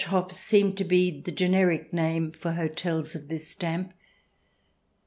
xii Hofs seems to be the generic name for hotels of this stamp.